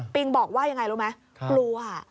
บอกว่ายังไงรู้ไหมกลัว